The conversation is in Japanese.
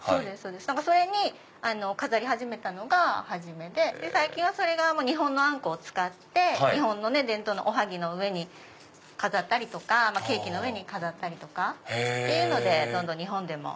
それに飾り始めたのが初めで最近は日本のあんこを使って日本の伝統のおはぎの上に飾ったりとかケーキの上に飾ったりというのでどんどん日本でも。